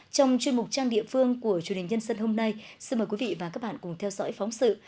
trong chuyên mục trang địa phương của truyền hình nhân dân hôm nay xin mời quý vị và các bạn cùng theo dõi phóng sự